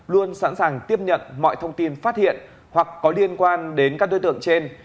luôn sẵn sàng tiếp nhận mọi thông tin phát hiện hoặc có liên quan đến các đối tượng trên